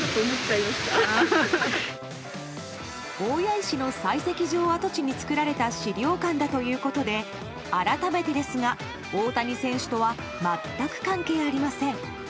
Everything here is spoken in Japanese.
大谷石の採石場跡地に作られた資料館だということで改めてですが大谷選手とは全く関係ありません。